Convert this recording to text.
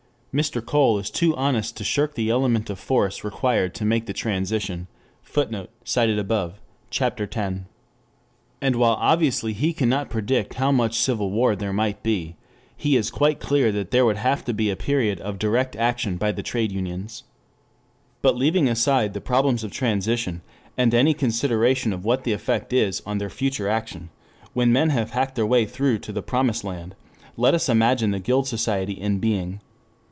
Mr. Cole is too honest to shirk the element of force required to make the transition. [Footnote: Cf. op. cit., Ch. X. ] And while obviously he cannot predict how much civil war there might be, he is quite clear that there would have to be a period of direct action by the trade unions. 3 But leaving aside the problems of transition, and any consideration of what the effect is on their future action, when men have hacked their way through to the promised land, let us imagine the Guild Society in being.